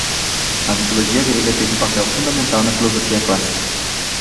A mitologia grega teve papel fundamental na filosofia clássica